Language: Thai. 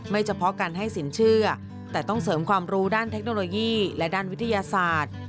เฉพาะการให้สินเชื่อแต่ต้องเสริมความรู้ด้านเทคโนโลยีและด้านวิทยาศาสตร์